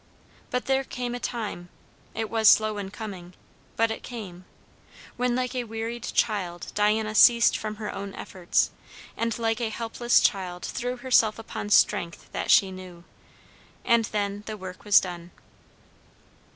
But there came a time it was slow in coming, but it came when like a wearied child Diana ceased from her own efforts, and like a helpless child threw herself upon strength that she knew. And then the work was done.